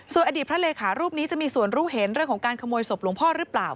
ส่วนอดีตพระเลขารูปนี้จะมีส่วนรู้เห็นเรื่องของการขโมยศพหลวงพ่อหรือเปล่า